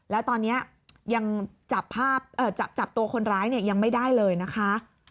แล้วตอนนี้ยังจับตัวคนร้ายเนี่ยยังไม่ได้เลยนะคะ